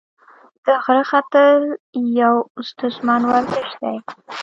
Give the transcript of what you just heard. د غره ختل یو ستونزمن ورزش دی.